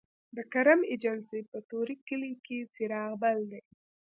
د کرم ایجنسۍ په طوري کلي کې څراغ بل دی